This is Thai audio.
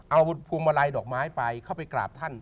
เอาพวงมาลัยดอกไม้ไปเข้าไปกราบท่าน